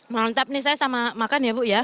mantap nih saya sama makan ya bu ya